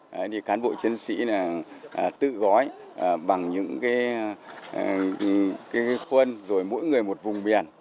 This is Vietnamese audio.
đấy thì cán bộ chiến sĩ tự gói bằng những cái khuân rồi mỗi người một vùng biển